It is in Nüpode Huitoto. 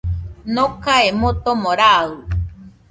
Nokae motomo raɨ,